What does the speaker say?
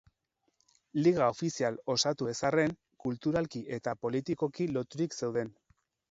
Liga ofizial osatu ez arren, kulturalki eta politikoki loturik zeuden.